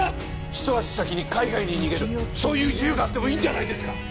一足先に海外に逃げるそういう自由があってもいいんじゃないですか？